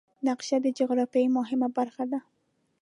نقشه د جغرافیې مهمه برخه ده.